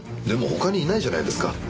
でも他にいないじゃないですか。